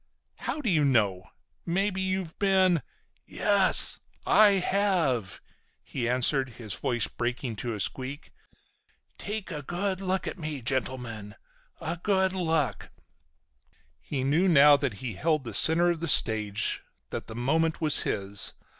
"How do you know? Maybe you've been—?" "Yes, I have!" he answered, his voice breaking to a squeak. "Take a good look at me, gentlemen. A good look." He knew now that he held the center of the stage, that the moment was his.